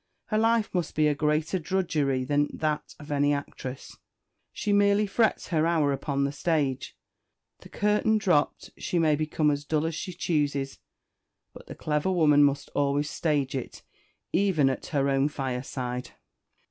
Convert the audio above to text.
Her life must be a greater drudgery than that of any actress. She merely frets her hour upon the stage; the curtain dropped, she may become as dull as she chooses; but the clever woman must always stage it, even at her own fireside."